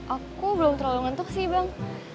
aku belum terlalu ngentuk sih bang